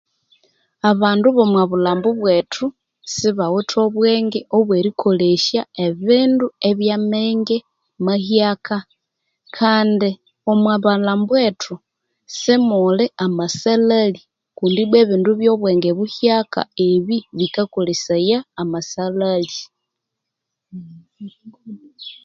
Abandu abomwabulhumba bwethu sibawithe obwenge obwerikolensia ebindu ebya menge mahyakaa kandi omwamalhambu wethu simuli amasalhali kundi obwa ebindu ebyonge buhyaka ebi bikakolesaya amasalhali